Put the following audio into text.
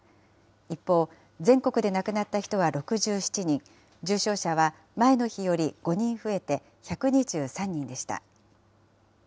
一方、全国で亡くなった人は６７人、重症者は前の日より５人増えて１２３人でした。